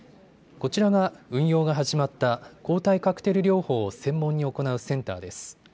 こちらが運用が始まった抗体カクテル療法を専門に行うセンターです。